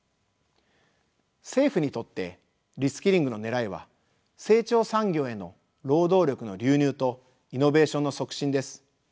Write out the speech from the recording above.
政府にとってリスキングの狙いは成長産業への労働力の流入とイノベーションの促進です。